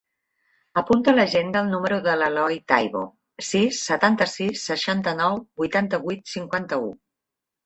Apunta a l'agenda el número de l'Eloi Taibo: sis, setanta-sis, seixanta-nou, vuitanta-vuit, cinquanta-u.